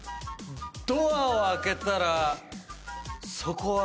ドアを開けたらそこは。